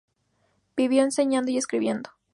Vivió enseñando y escribiendo.